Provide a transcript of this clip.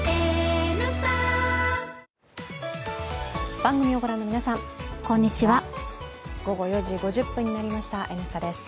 番組をご覧の皆さんこんにちは、午後４時５０分になりました「Ｎスタ」です。